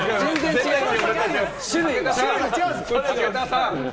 全然違います！